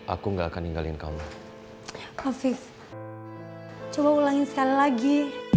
aku nggak akan ninggalin kamu hafiz coba ulangin sekali lagi